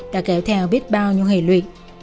đã kéo theo biết bao nhiêu hỷ lụy